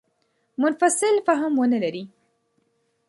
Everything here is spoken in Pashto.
منفصل فهم ونه لري.